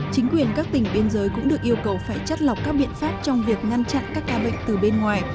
chính quyền các tỉnh biên giới cũng được yêu cầu phải chắt lọc các biện pháp trong việc ngăn chặn các ca bệnh từ bên ngoài